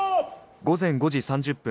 午前５時３０分